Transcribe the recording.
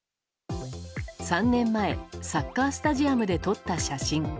３年前、サッカースタジアムで撮った写真。